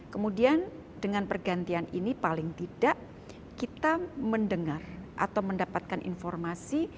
kemudian dengan pergantian ini paling tidak kita mendengar atau mendapatkan informasi